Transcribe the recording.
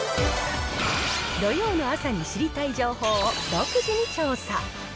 土曜の朝に知りたい情報を独自に調査。